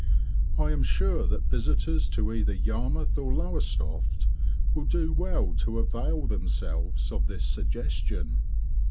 I am sure that visitors to either Yarmouth or Lowestoft will do well to avail themselves of this suggestion.